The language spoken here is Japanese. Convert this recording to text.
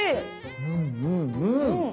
うんうんうん！